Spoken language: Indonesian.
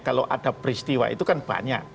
kalau ada peristiwa itu kan banyak